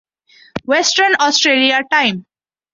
western Australia time